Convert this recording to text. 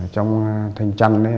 trong thành trăng